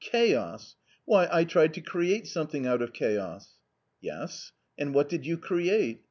" Chaos !— why, I tried to create something out of chaos !" "Yes, and what did you create?